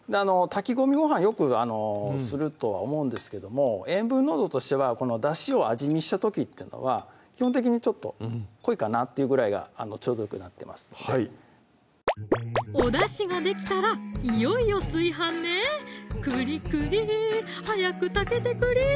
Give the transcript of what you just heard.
炊き込みごはんよくするとは思うんですけども塩分濃度としてはこのだしを味見した時は基本的にちょっと濃いかなっていうぐらいがちょうどよくなってますのではいおだしができたらいよいよ炊飯ね栗栗早く炊けてくれ！